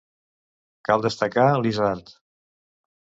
Cal destacar l'isard.